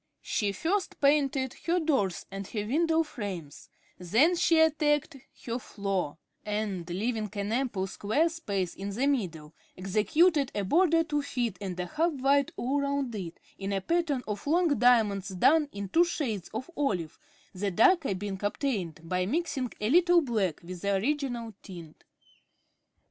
She first painted her doors and her window frames, then she attacked her floor, and, leaving an ample square space in the middle, executed a border two feet and a half wide all round it, in a pattern of long diamonds done in two shades of olive, the darker being obtained by mixing a little black with the original tint.